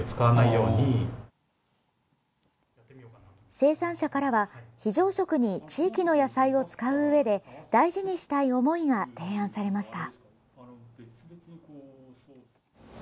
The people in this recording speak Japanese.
生産者からは非常食に地域の野菜を使ううえで大事にしたい思いが提案されました。